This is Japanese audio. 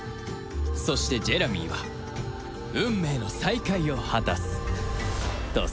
そしてジェラミーは運命の再会を果たすとさ